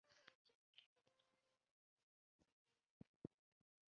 庙内有一尊清治时期的土地婆像。